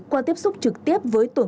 qua tiếp xúc trực tiếp với tổn thương